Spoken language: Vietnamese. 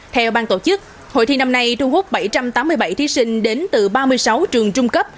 theo bang tổ chức hội thi năm nay thu hút bảy trăm tám mươi bảy thí sinh đến từ ba mươi sáu trường trung cấp